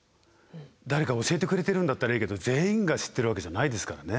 誰か教えてくれてるんだったらいいけど全員が知ってるわけじゃないですからね。